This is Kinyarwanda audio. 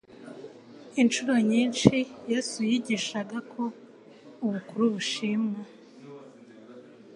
Inshuro nyinshi Yesu yigishaga ko ubukuru bushimwa,